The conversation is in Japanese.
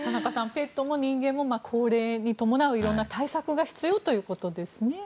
ペットも人間も高齢に伴う色んな対策が必要ということですね。